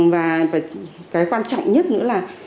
và cái quan trọng nhất nữa là